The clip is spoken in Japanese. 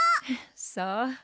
そう。